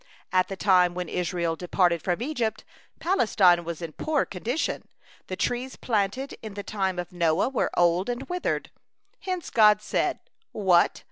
At the time when Israel departed from Egypt, Palestine was in poor condition; the trees planted in the time of Noah were old and withered. Hence God said: "What!